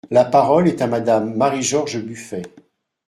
La parole est à Madame Marie-George Buffet.